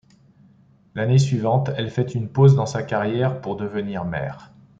L'année suivante, elle fait une pause dans sa carrière, pour devenir mère.